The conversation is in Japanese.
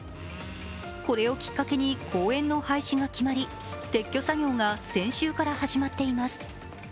これをきっかけに公園の廃止が決まり、撤去作業が先週から始まっています。